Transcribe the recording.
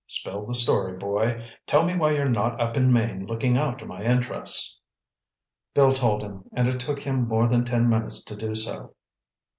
Spill the story, boy. Tell me why you're not up in Maine looking after my interests." Bill told him, and it took him more than ten minutes to do so.